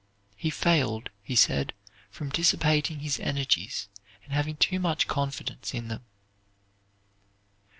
He failed, he said, from dissipating his energies, and having too much confidence in men.